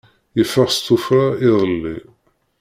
Yeffeɣ s tuffra iḍelli.